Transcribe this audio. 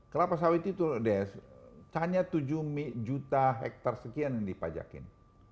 kelapa sawit itu tanya tujuh juta hektar sekian yang dipajakin